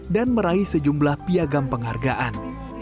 dan meraih sejumlah piagam penghargaan